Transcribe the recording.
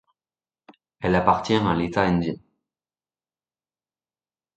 Elle appartient à l'état indien.